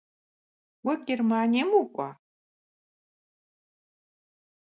Уэ Германием укӏуа?